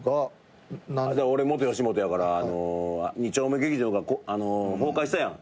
俺元吉本やから２丁目劇場が崩壊したやん。